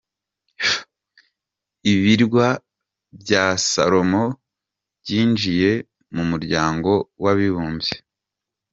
Ibirwa bya Salomo byinjiye mu muryango w’abibumbye.